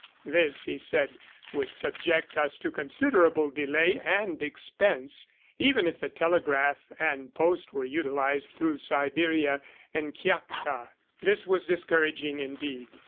This, he said, would subject us to considerable delay and expense, even if the telegraph and post were utilized through Siberia and Kiakhta. This was discouraging indeed.